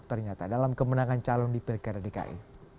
ternyata dalam kemenangan calon di pilkada dki